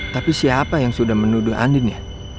tapi siapa yang sudah menuduh andina